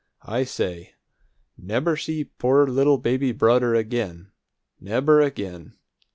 I say, 'Never see poor little baby brudder again, never again!'